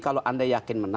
kalau anda yakin menang